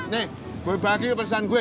nih gue bagi ke perusahaan gue